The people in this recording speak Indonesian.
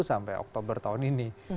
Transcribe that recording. sampai oktober tahun ini